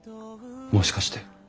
もしかして。